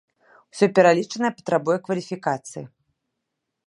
Усё пералічанае патрабуе кваліфікацыі.